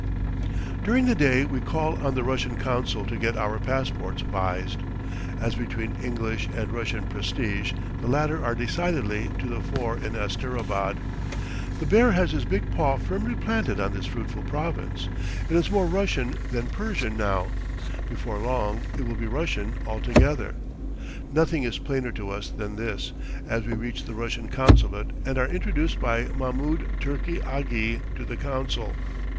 During the day we call on the Russian consul to get our passports vised. As between English and Russian prestige, the latter are decidedly to the fore in Asterabad. The bear has his big paw firmly planted on this fruitful province it is more Russian than Persian now; before long it will be Russian altogether. Nothing is plainer to us than this, as we reach the Russian Consulate and are introduced by Mahmoud Turki Aghi to the consul.